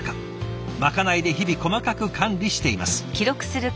まかないで日々細かく管理しています。